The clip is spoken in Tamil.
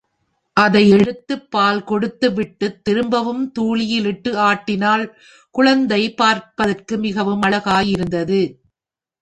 அதை எடுத்து பால் கொடுத்து விட்டு திரும்பவும் தூளியிலிட்டு ஆட்டினாள் குழந்தை பார்ப்பதற்கு மிகவும் அழகாக இருந்தது.